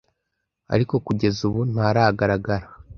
ariko kugeza ubu ntaragaragara.